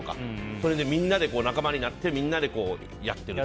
それで、みんなで仲間になってやっていると。